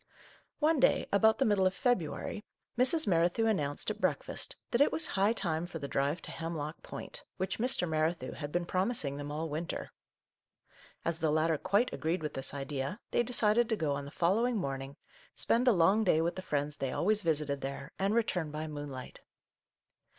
One day, about the middle of February, Mrs. Merrithew announced, at breakfast, that it was high time for the drive to Hemlock Point, which Mr. Merrithew had been promis 102 Our Little Canadian Cousin ing them all winter. As the latter quite agreed with this idea, they decided to go on the fol lowing morning, spend a long day with the friends they always visited there, and return by moonlight.